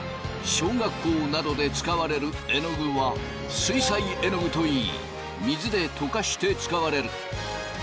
小学校などで使われるえのぐは水彩えのぐといい水で溶かして使われる。